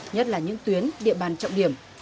nhất là những tuyến địa bàn trọng điểm